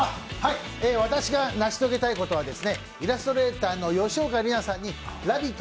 私が成し遂げたいことはイラストレーターの吉岡里奈さんに「ラヴィット！」